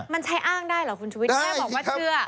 มันใช้อ้างได้เหรอคุณชุวิตแม่บอกว่าเชื่อ